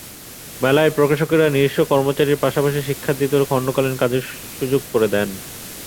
মেলায় প্রকাশকেরা নিজস্ব কর্মচারীর পাশাপাশি শিক্ষার্থীদেরও খণ্ডকালীন কাজের সুযোগ করে দেন।